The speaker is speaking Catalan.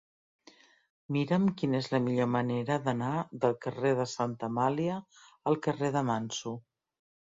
Mira'm quina és la millor manera d'anar del carrer de Santa Amàlia al carrer de Manso.